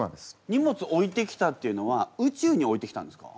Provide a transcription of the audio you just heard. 荷物置いてきたっていうのは宇宙に置いてきたんですか？